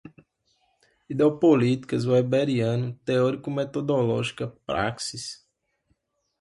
Ideopolíticas, weberiano, teórico-metodológica, práxis